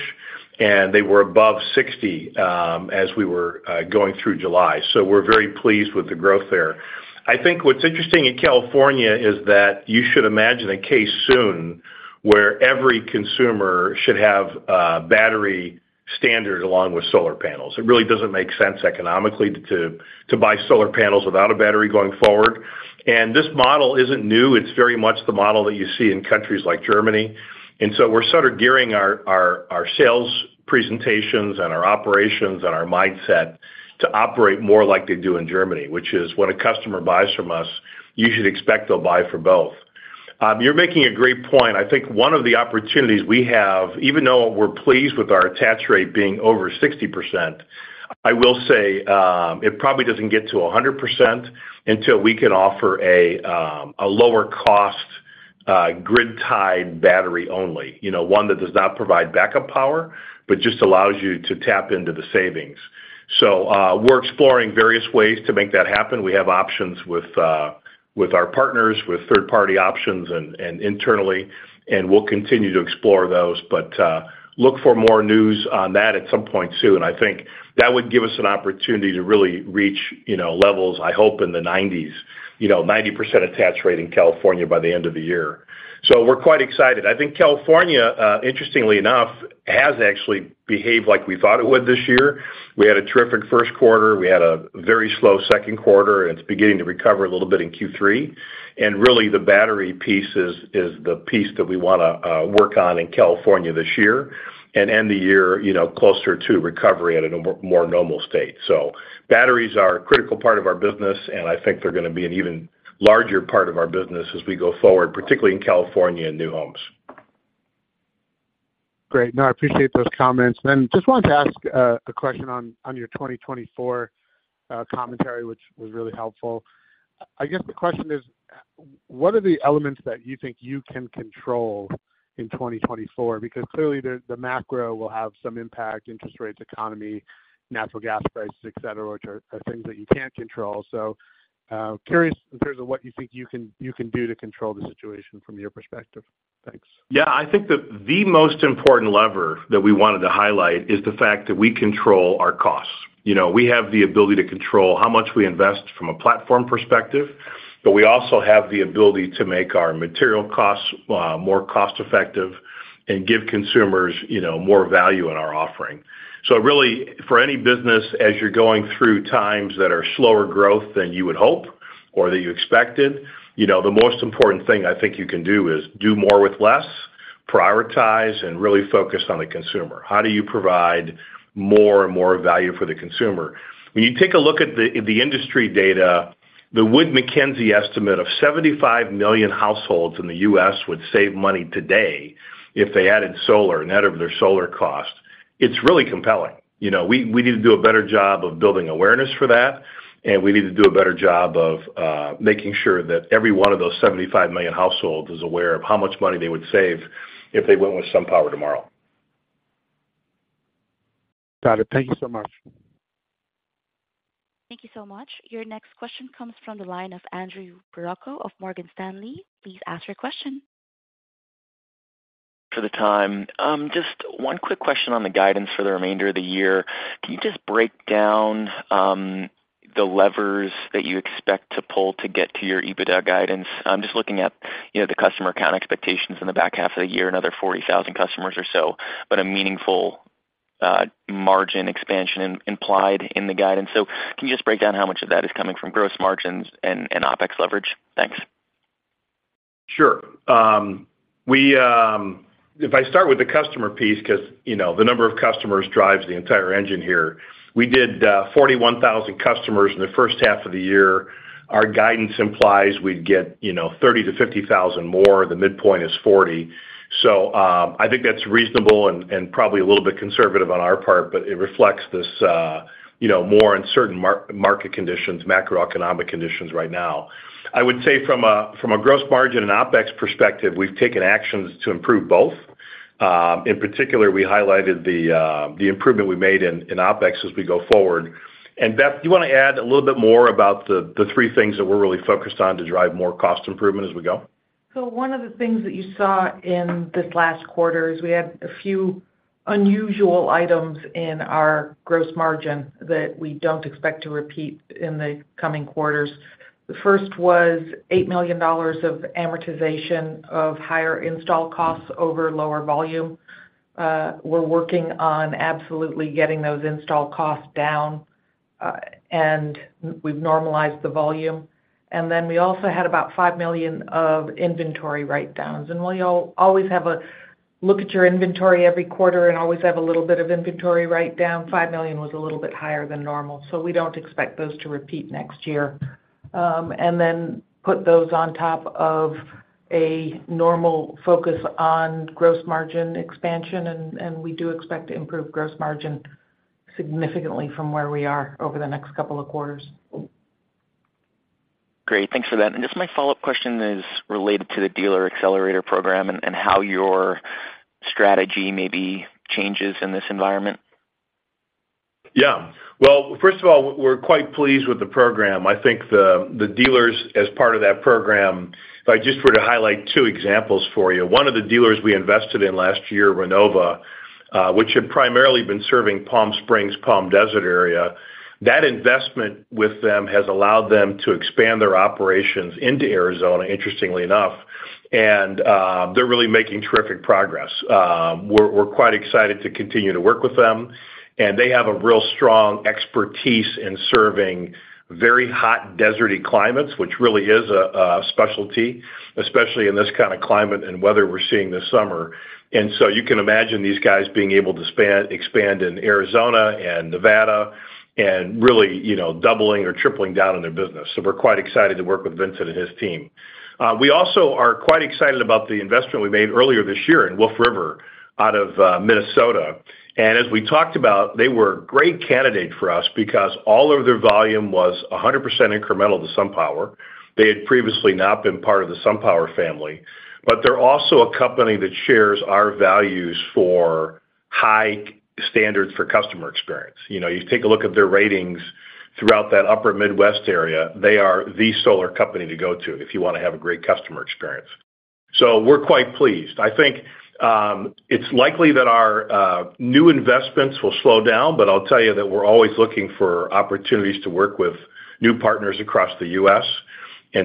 and they were above 60 as we were going through July. We're very pleased with the growth there. I think what's interesting in California is that you should imagine a case soon where every consumer should have a battery standard along with solar panels. It really doesn't make sense economically to buy solar panels without a battery going forward. This model isn't new. It's very much the model that you see in countries like Germany. We're sort of gearing our, our, our sales presentations and our operations and our mindset to operate more like they do in Germany, which is when a customer buys from us, you should expect they'll buy for both. You're making a great point. I think one of the opportunities we have, even though we're pleased with our attach rate being over 60%, I will say, it probably doesn't get to 100% until we can offer a, a lower cost, grid-tied battery only. You know, one that does not provide backup power, but just allows you to tap into the savings. We're exploring various ways to make that happen. We have options with, with our partners, with third-party options and, and internally, and we'll continue to explore those. Look for more news on that at some point soon. I think that would give us an opportunity to really reach, you know, levels, I hope in the 90s. You know, 90% attach rate in California by the end of the year. We're quite excited. I think California, interestingly enough, has actually behaved like we thought it would this year. We had a terrific first quarter. We had a very slow second quarter, and it's beginning to recover a little bit in Q3. Really, the battery piece is, is the piece that we wanna work on in California this year and end the year, you know, closer to recovery at a more normal state. Batteries are a critical part of our business, and I think they're gonna be an even larger part of our business as we go forward, particularly in California and New Homes. Great. No, I appreciate those comments. Then just wanted to ask a question on your 2024 commentary, which was really helpful. I guess the question is, what are the elements that you think you can control in 2024? Because clearly, the macro will have some impact, interest rates, economy, natural gas prices, et cetera, which are things that you can't control. So, curious in terms of what you think you can, you can do to control the situation from your perspective. Thanks. Yeah, I think that the most important lever that we wanted to highlight is the fact that we control our costs. You know, we have the ability to control how much we invest from a platform perspective, but we also have the ability to make our material costs, more cost-effective and give consumers, you know, more value in our offering. Really, for any business, as you're going through times that are slower growth than you would hope or that you expected, you know, the most important thing I think you can do is do more with less, prioritize, and really focus on the consumer. How do you provide more and more value for the consumer? When you take a look at the, the industry data, the Wood Mackenzie estimate of 75 million households in the U.S. would save money today if they added solar, net of their solar cost. It's really compelling. You know, we, we need to do a better job of building awareness for that, and we need to do a better job of making sure that every one of those 75 million households is aware of how much money they would save if they went with SunPower tomorrow. Got it. Thank you so much. Thank you so much. Your next question comes from the line of Andrew Percoco of Morgan Stanley. Please ask your question. For the time, just one quick question on the guidance for the remainder of the year. Can you just break down the levers that you expect to pull to get to your EBITDA guidance? I'm just looking at, you know, the customer count expectations in the back half of the year, another 40,000 customers or so, but a meaningful margin expansion implied in the guidance. Can you just break down how much of that is coming from gross margins and OpEx leverage? Thanks. Sure. If I start with the customer piece, 'cause, you know, the number of customers drives the entire engine here. We did 41,000 customers in the first half of the year. Our guidance implies we'd get, you know, 30,000-50,000 more. The midpoint is 40,000. I think that's reasonable and, and probably a little bit conservative on our part, but it reflects this, you know, more uncertain market conditions, macroeconomic conditions right now. I would say from a, from a gross margin and OpEx perspective, we've taken actions to improve both. In particular, we highlighted the, the improvement we made in, in OpEx as we go forward. Beth, do you wanna add a little bit more about the three things that we're really focused on to drive more cost improvement as we go? One of the things that you saw in this last quarter is we had a few unusual items in our gross margin that we don't expect to repeat in the coming quarters. The first was $8 million of amortization of higher install costs over lower volume. We're working on absolutely getting those install costs down, and we've normalized the volume. Then we also had about $5 million of inventory write-downs. We all always have a look at your inventory every quarter and always have a little bit of inventory write-down. $5 million was a little bit higher than normal, we don't expect those to repeat next year. Then put those on top of a normal focus on gross margin expansion, we do expect to improve gross margin significantly from where we are over the next couple of quarters. Great. Thanks for that. Just my follow-up question is related to the Dealer Accelerator Program and how your strategy maybe changes in this environment. Yeah. Well, first of all, we're quite pleased with the program. I think the, the dealers as part of that program, if I just were to highlight two examples for you, one of the dealers we invested in last year, Renova, which had primarily been serving Palm Springs, Palm Desert area, that investment with them has allowed them to expand their operations into Arizona, interestingly enough, and they're really making terrific progress. We're, we're quite excited to continue to work with them, and they have a real strong expertise in serving very hot, deserty climates, which really is a, a specialty, especially in this kinda climate and weather we're seeing this summer. You can imagine these guys being able to expand in Arizona and Nevada and really, you know, doubling or tripling down on their business. We're quite excited to work with Vincent and his team. We also are quite excited about the investment we made earlier this year in Wolf River, out of Minnesota. As we talked about, they were a great candidate for us because all of their volume was 100% incremental to SunPower. They had previously not been part of the SunPower family, but they're also a company that shares our values for high standards for customer experience. You know, you take a look at their ratings throughout that upper Midwest area, they are the solar company to go to if you wanna have a great customer experience. We're quite pleased. I think it's likely that our new investments will slow down, but I'll tell you that we're always looking for opportunities to work with new partners across the U.S. We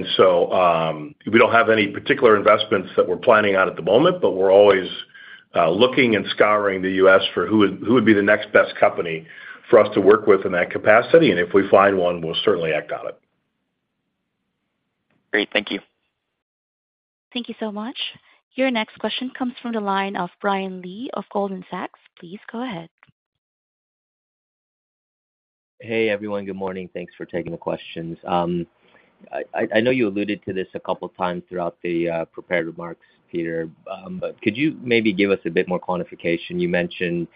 don't have any particular investments that we're planning out at the moment, but we're always looking and scouring the U.S. for who would, who would be the next best company for us to work with in that capacity, and if we find one, we'll certainly act on it. Great. Thank you. Thank you so much. Your next question comes from the line of Brian Lee of Goldman Sachs. Please go ahead. Hey, everyone. Good morning. Thanks for taking the questions. I know you alluded to this a couple times throughout the prepared remarks, Peter, but could you maybe give us a bit more quantification? You mentioned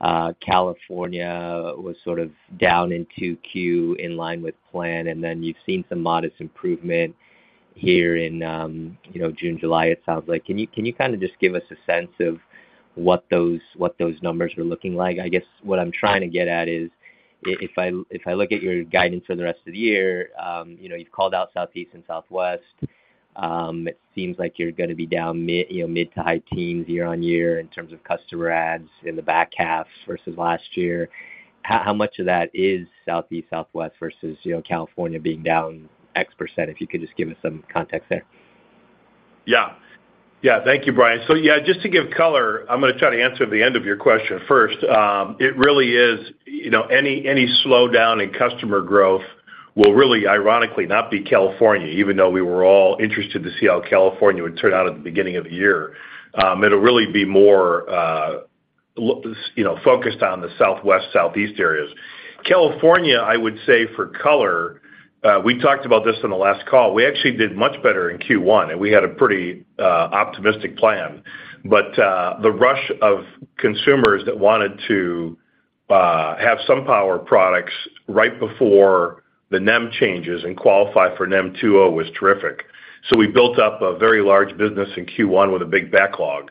California was sort of down in 2Q, in line with plan, and then you've seen some modest improvement here in, you know, June, July, it sounds like. Can you, can you kinda just give us a sense of what those, what those numbers are looking like? I guess what I'm trying to get at is, if I look at your guidance for the rest of the year, you know, you've called out Southeast and Southwest, it seems like you're gonna be down mid, you know, mid to high teens year-on-year in terms of customer adds in the back half versus last year. How, how much of that is Southeast, Southwest versus, you know, California being down X percent? If you could just give us some context there. Yeah. Yeah, thank you, Brian. Yeah, just to give color, I'm gonna try to answer the end of your question first. It really is, you know, any, any slowdown in customer growth will really, ironically, not be California, even though we were all interested to see how California would turn out at the beginning of the year. It'll really be more, you know, focused on the Southwest, Southeast areas. California, I would say for color, we talked about this on the last call. We actually did much better in Q1, and we had a pretty, optimistic plan. The rush of consumers that wanted to, have SunPower products right before the NEM changes and qualify for NEM 2.0 was terrific. We built up a very large business in Q1 with a big backlog.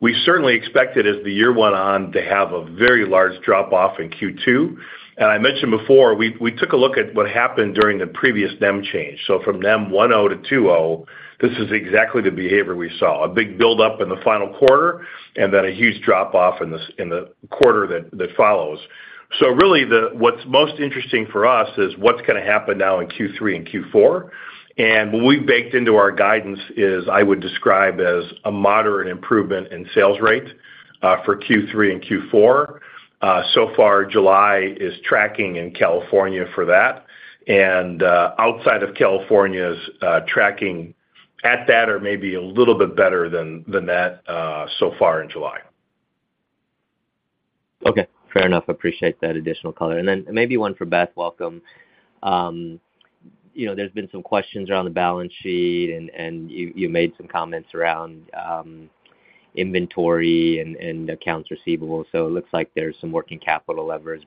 We certainly expected, as the year went on, to have a very large drop-off in Q2. I mentioned before, we took a look at what happened during the previous NEM change. From NEM 1.0-2.0, this is exactly the behavior we saw, a big build-up in the final quarter and then a huge drop-off in the quarter that follows. Really, what's most interesting for us is what's gonna happen now in Q3 and Q4. What we've baked into our guidance is, I would describe as a moderate improvement in sales rate for Q3 and Q4. So far, July is tracking in California for that, and outside of California's tracking at that or maybe a little bit better than that so far in July. Okay, fair enough. Appreciate that additional color. Then maybe one for Beth. Welcome. You know, there's been some questions around the balance sheet, and, and you, you made some comments around inventory and, and accounts receivable, so it looks like there's some working capital levers.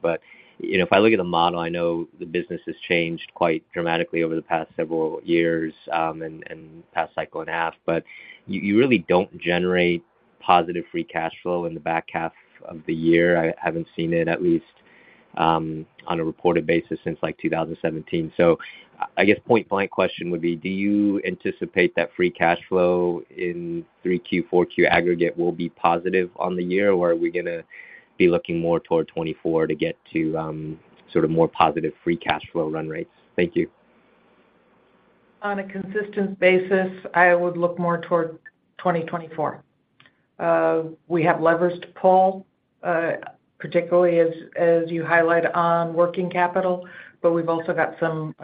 You know, if I look at the model, I know the business has changed quite dramatically over the past several years, and, and past cycle and a half. You, you really don't generate positive free cash flow in the back half of the year. I haven't seen it, at least, on a reported basis since, like, 2017. I guess point-blank question would be, do you anticipate that free cash flow in 3Q, 4Q aggregate will be positive on the year, or are we gonna be looking more toward 2024 to get to, sort of more positive free cash flow run rates? Thank you. On a consistent basis, I would look more toward 2024. We have levers to pull, particularly as, as you highlight on working capital, but we've also got some,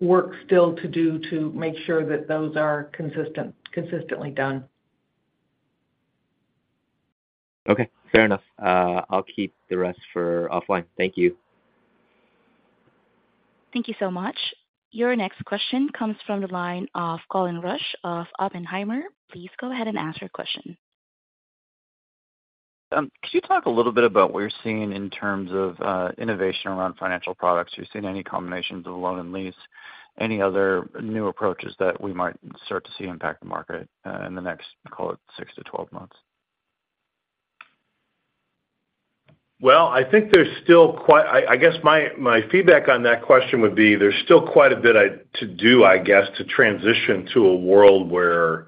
work still to do to make sure that those are consistently done. Okay, fair enough. I'll keep the rest for offline. Thank you. Thank you so much. Your next question comes from the line of Colin Rusch of Oppenheimer. Please go ahead and ask your question. Could you talk a little bit about what you're seeing in terms of innovation around financial products? Are you seeing any combinations of loan and lease, any other new approaches that we might start to see impact the market in the next, call it six to 12 months? Well, I think there's still quite I, I guess my, my feedback on that question would be there's still quite a bit to do to transition to a world where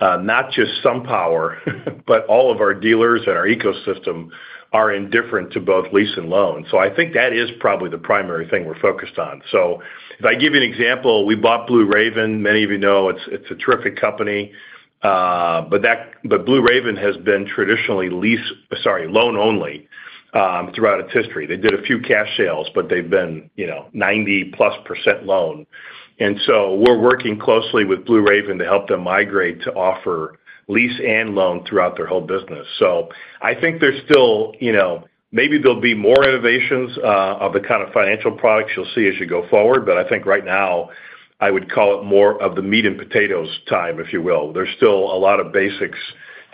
not just SunPower, but all of our dealers and our ecosystem are indifferent to both lease and loan. I think that is probably the primary thing we're focused on. If I give you an example, we bought Blue Raven. Many of you know, it's, it's a terrific company, but Blue Raven has been traditionally lease, sorry, loan only throughout its history. They did a few cash sales, but they've been, you know, 90%+ loan. We're working closely with Blue Raven to help them migrate to offer lease and loan throughout their whole business. I think there's still, you know, maybe there'll be more innovations of the kind of financial products you'll see as you go forward, but I think right now I would call it more of the meat and potatoes time, if you will. There's still a lot of basics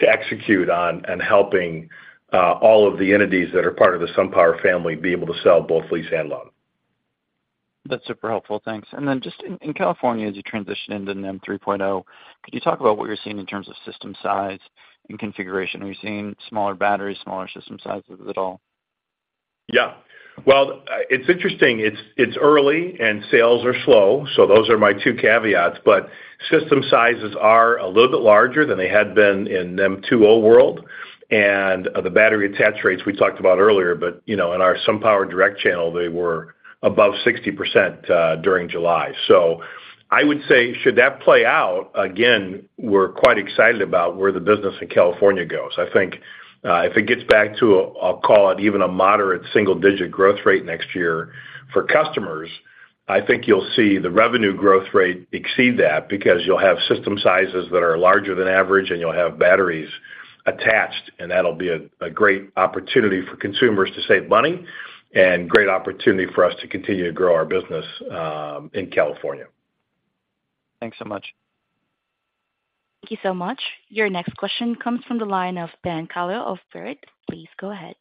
to execute on, and helping all of the entities that are part of the SunPower family be able to sell both lease and loan. That's super helpful. Thanks. Then just in, in California, as you transition into NEM 3.0, could you talk about what you're seeing in terms of system size and configuration? Are you seeing smaller batteries, smaller system sizes at all? Yeah. Well, it's interesting. It's, it's early and sales are slow, those are my two caveats. System sizes are a little bit larger than they had been in NEM 2.0 world. The battery attach rates we talked about earlier, but, you know, in our SunPower direct channel, they were above 60% during July. I would say, should that play out, again, we're quite excited about where the business in California goes. I think, if it gets back to, I'll call it, even a moderate single-digit growth rate next year for customers, I think you'll see the revenue growth rate exceed that because you'll have system sizes that are larger than average, and you'll have batteries attached, and that'll be a great opportunity for consumers to save money and great opportunity for us to continue to grow our business, in California. Thanks so much. Thank you so much. Your next question comes from the line of Ben Kallo of Baird. Please go ahead.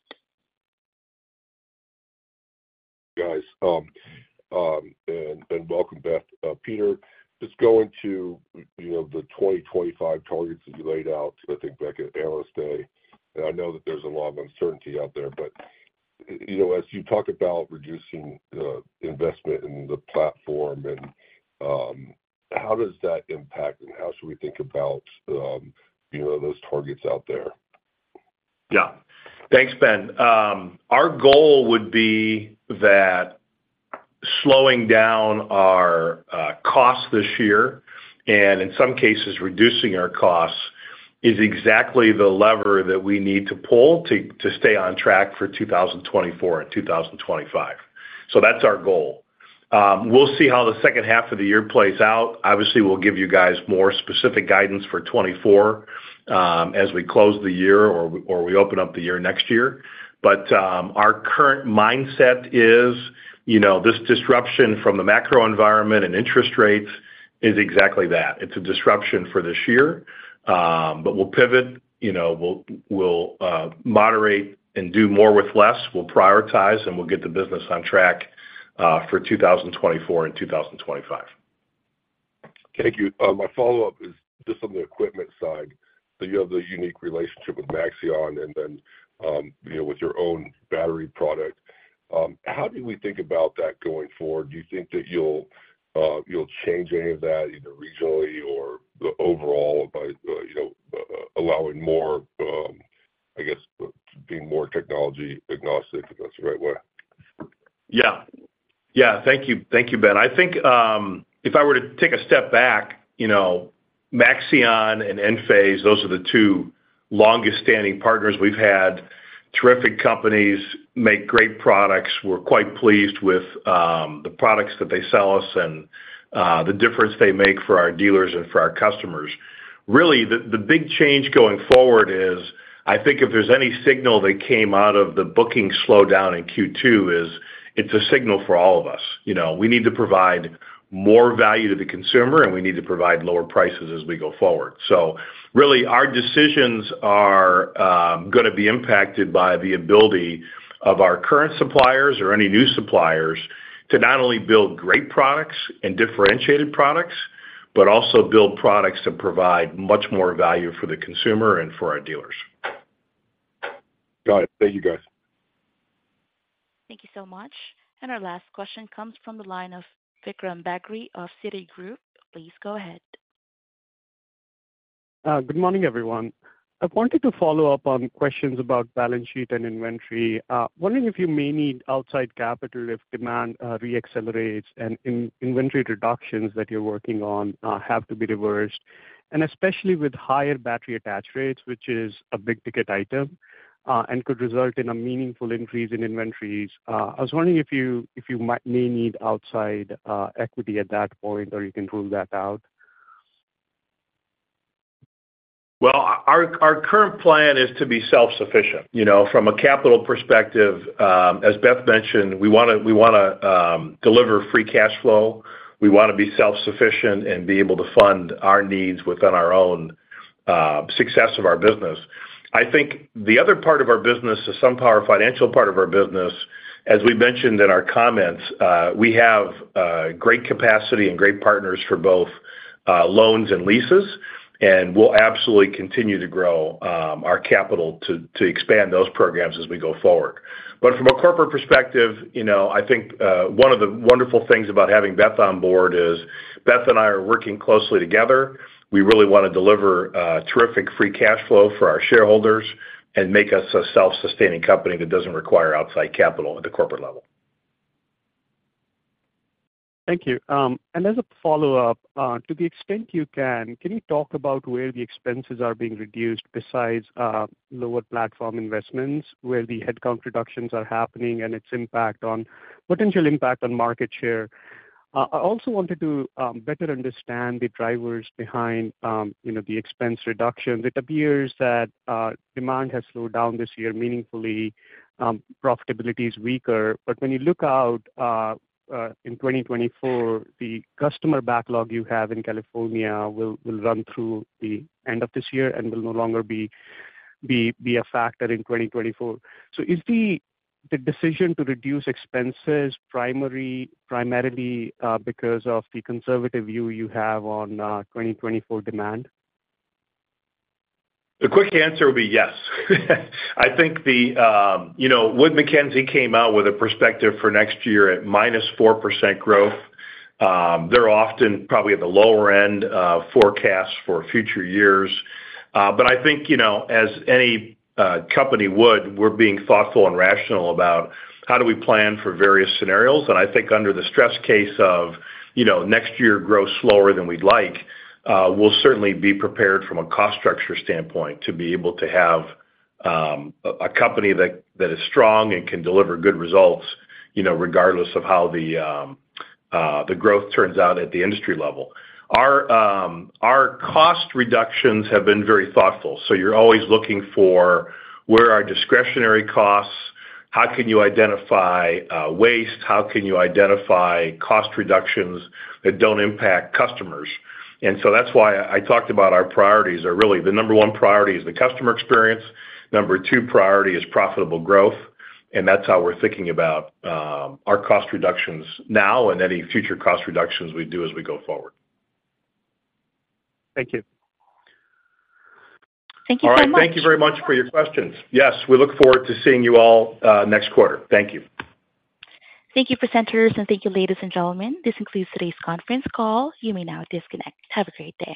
Guys, welcome back. Peter, just going to, you know, the 2025 targets that you laid out, I think, back at Analyst Day. I know that there's a lot of uncertainty out there. You know, as you talk about reducing the investment in the platform and, how does that impact, and how should we think about, you know, those targets out there? Thanks, Ben. Our goal would be that slowing down our costs this year, and in some cases, reducing our costs, is exactly the lever that we need to pull to, to stay on track for 2024 and 2025. That's our goal. We'll see how the second half of the year plays out. Obviously, we'll give you guys more specific guidance for 2024 as we close the year or, or we open up the year next year. Our current mindset is, you know, this disruption from the macro environment and interest rates is exactly that. It's a disruption for this year, but we'll pivot, you know, we'll, we'll moderate and do more with less. We'll prioritize, and we'll get the business on track for 2024 and 2025. Thank you. My follow-up is just on the equipment side. You have the unique relationship with Maxeon, and then, you know, with your own battery product. How do we think about that going forward? Do you think that you'll, you'll change any of that, either regionally or the overall by, you know, allowing more, I guess, being more technology agnostic, if that's the right word? Yeah. Yeah, thank you. Thank you, Ben. I think, if I were to take a step back, you know, Maxeon and Enphase, those are the two longest-standing partners we've had. Terrific companies, make great products. We're quite pleased with the products that they sell us and the difference they make for our dealers and for our customers. Really, the big change going forward is I think if there's any signal that came out of the booking slowdown in Q2. It's a signal for all of us. You know, we need to provide more value to the consumer, and we need to provide lower prices as we go forward. Really, our decisions are gonna be impacted by the ability of our current suppliers or any new suppliers to not only build great products and differentiated products, but also build products that provide much more value for the consumer and for our dealers. Got it. Thank you, guys. Thank you so much. Our last question comes from the line of Vikram Bagri of Citigroup. Please go ahead. Good morning, everyone. I wanted to follow up on questions about balance sheet and inventory. Wondering if you may need outside capital if demand re-accelerates and in-inventory reductions that you're working on have to be reversed, and especially with higher battery attach rates, which is a big-ticket item, and could result in a meaningful increase in inventories. I was wondering if you may need outside equity at that point, or you can rule that out? Well, our, our current plan is to be self-sufficient. You know, from a capital perspective, as Beth mentioned, we wanna, we wanna deliver free cash flow. We wanna be self-sufficient and be able to fund our needs within our own success of our business. I think the other part of our business is SunPower Financial part of our business. As we mentioned in our comments, we have great capacity and great partners for both loans and leases, and we'll absolutely continue to grow our capital to expand those programs as we go forward. From a corporate perspective, you know, I think one of the wonderful things about having Beth on board is Beth and I are working closely together. We really wanna deliver terrific free cash flow for our shareholders and make us a self-sustaining company that doesn't require outside capital at the corporate level. Thank you. As a follow-up, to the extent you can, can you talk about where the expenses are being reduced besides lower platform investments, where the headcount reductions are happening and its impact on potential impact on market share? I also wanted to better understand the drivers behind, you know, the expense reduction. It appears that demand has slowed down this year, meaningfully, profitability is weaker. When you look out in 2024, the customer backlog you have in California will run through the end of this year and will no longer be a factor in 2024. Is the decision to reduce expenses primarily because of the conservative view you have on 2024 demand? The quick answer would be yes. I think the, you know, Wood Mackenzie came out with a perspective for next year at -4% growth. They're often probably at the lower end, forecast for future years. But I think, you know, as any, company would, we're being thoughtful and rational about how do we plan for various scenarios. And I think under the stress case of, you know, next year grow slower than we'd like, we'll certainly be prepared from a cost structure standpoint to be able to have, a, a company that, that is strong and can deliver good results, you know, regardless of how the, the growth turns out at the industry level. Our, our cost reductions have been very thoughtful, so you're always looking for where are discretionary costs, how can you identify, waste? How can you identify cost reductions that don't impact customers? That's why I talked about our priorities are really, the number one priority is the customer experience, number two priority is profitable growth, and that's how we're thinking about our cost reductions now and any future cost reductions we do as we go forward. Thank you. Thank you so much. All right. Thank you very much for your questions. Yes, we look forward to seeing you all, next quarter. Thank you. Thank you, presenters, and thank you, ladies and gentlemen. This concludes today's conference call. You may now disconnect. Have a great day.